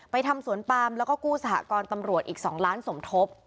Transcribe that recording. ทำสวนปามแล้วก็กู้สหกรณ์ตำรวจอีก๒ล้านสมทบ